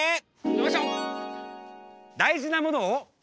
よいしょ！